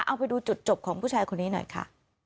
เอาไปดูจุดจบของผู้ชายคนนี้หน่อยค่ะ